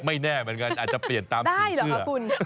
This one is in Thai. ไม่แน่เหมือนกันอาจจะเปลี่ยนตามสีเสื้อ